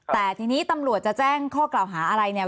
แต่ทีนี้ตำรวจจะแจ้งข้อกล่าวหาอะไรเนี่ย